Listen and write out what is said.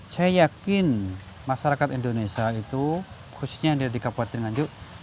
saya yakin masyarakat indonesia itu khususnya yang ada di kabupaten nganjuk